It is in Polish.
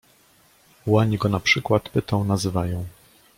Ułani go na przykład pytą nazywają.